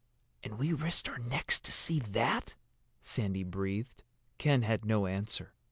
"And we risked our necks to see that!" Sandy breathed. Ken had no answer.